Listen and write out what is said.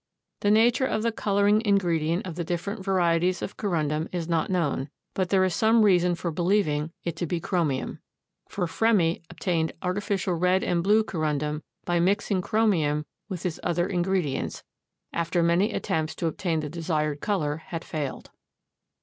The nature of the coloring ingredient of the different varieties of Corundum is not known, but there is some reason for believing it to be chromium, for Fremy obtained artificial red and blue Corundum by mixing chromium with his other ingredients, after many attempts to obtain the desired color had failed.